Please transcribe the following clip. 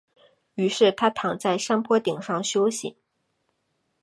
于是他躺在山坡顶上休息。